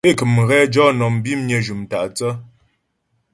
É kə̀m ghɛ jɔ nɔm bimnyə jʉm tâ'thə́.